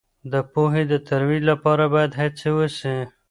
د پوهې د ترویج لپاره باید هڅې وسي.